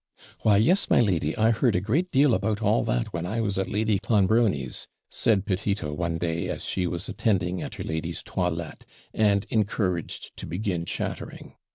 'Why, yes, my lady; I heard a great deal about all that when I was at Lady Clonbrony's,' said Petito, one day, as she was attending at her lady's toilette, and encouraged to begin chattering.